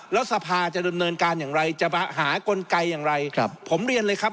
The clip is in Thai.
แล้วสภาจะดำเนินการอย่างไรจะหากลไกอย่างไรครับผมเรียนเลยครับ